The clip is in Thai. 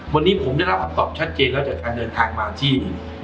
วันนี้ผมได้รับคำตอบชัดเจนแล้วจากการเดินทางมาที่